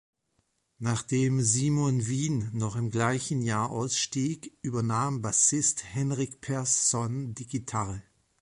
Nachdem Simon Wien noch im gleichen Jahr ausstieg, übernahm Bassist Henrik Persson die Gitarre.